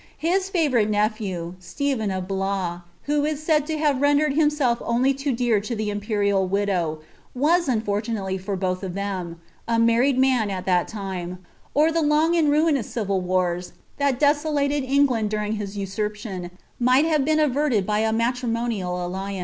His favourite nephtw, Stephen of Blois, who is said to have rendered himself only too ilcw to the imperial widow, was, unfortunately for them both, a muried mfl at that time, or the long and ruinous civil wars lliat desolate<l EngUnd during his usurpation might have been averted by a mairinionial alluuiM.